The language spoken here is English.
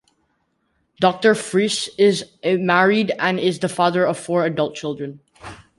Doctor Frese is married and is the father of four adult children.